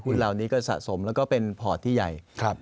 เหล่านี้ก็สะสมแล้วก็เป็นพอร์ตที่ใหญ่